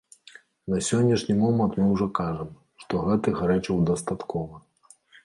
На сённяшні момант мы ўжо кажам, што гэтых рэчаў дастаткова.